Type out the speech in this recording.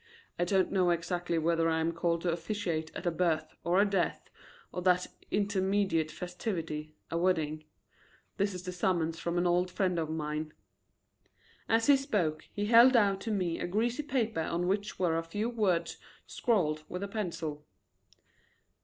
I don't know exactly whether I am called to officiate at a birth or a death or that intermediate festivity, a wedding. This is the summons from an old friend of mine:" As he spoke he held out to me a greasy paper on which were a few words scrawled with a pencil.